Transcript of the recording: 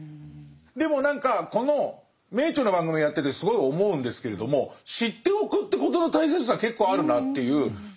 でも何かこの「名著」の番組やっててすごい思うんですけれども「知っておく」ということの大切さ結構あるなっていう。